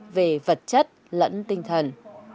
về vật chất lẫn tinh thần